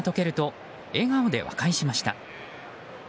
誤解が解けると笑顔で和解しました。